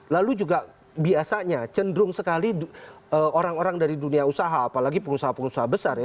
lalu juga biasanya cenderung sekali orang orang dari dunia usaha apalagi pengusaha pengusaha besar ya